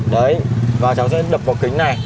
đấy và cháu sẽ đập vào kính này